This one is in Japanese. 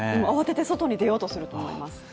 慌てて外に出ようとすると思います。